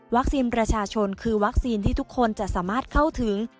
ประชาชนคือวัคซีนที่ทุกคนจะสามารถเข้าถึง